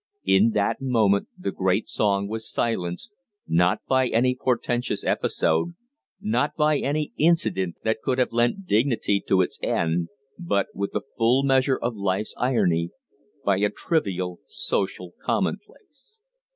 In that moment the great song was silenced, not by any portentous episode, not by any incident that could have lent dignity to its end, but with the full measure of life's irony by a trivial social commonplace.